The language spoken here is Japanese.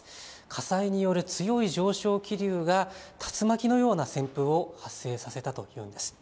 火災による強い上昇気流が竜巻のような旋風を発生させたというんです。